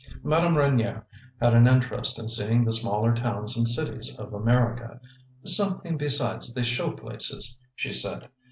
Madame Reynier had an interest in seeing the smaller towns and cities of America; "something besides the show places," she said.